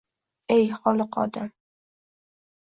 Ey, holiqi olam